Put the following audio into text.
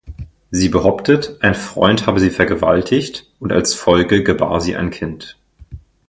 Sie behauptet, ein Freund habe sie vergewaltigt, und als Folge gebar sie ein Kind.